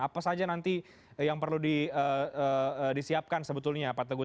apa saja nanti yang perlu disiapkan sebetulnya pak teguh